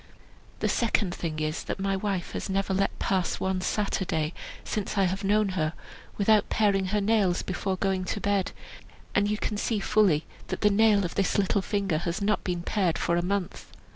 The second thing is, that my wife has never let pass one Saturday since I have known her, without paring her nails before going to bed, and you can see fully that the nail of this little finger has not been pared for a month.